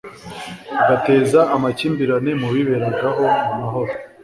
agateza amakimbirane mu biberagaho mu mahoro